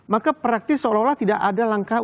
maka praktis seolah olah tidak ada langkah